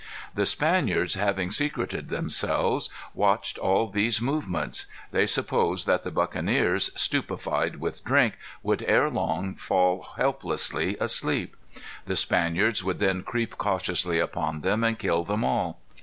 The Spaniards, having secreted themselves, watched all these movements. They supposed that the buccaneers, stupefied with drink, would ere long fall helplessly asleep. The Spaniards would then creep cautiously upon them, and kill them all.